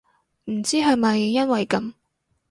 唔知係咪因為噉